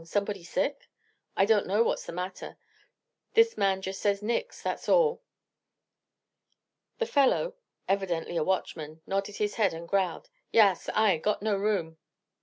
Somebody sick?" "I don't know what's the matter. This man just says 'nix,' that's all." The fellow, evidently a watchman, nodded his head, and growled, "Yaas! Ay got no room."